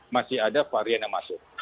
masih ada varian yang masuk